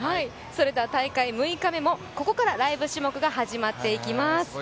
大会６日目も、ここからライブ種目が始まっていきます。